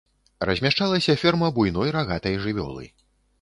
Размяшчалася ферма буйной рагатай жывёлы.